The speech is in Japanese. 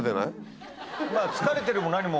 疲れてるも何も。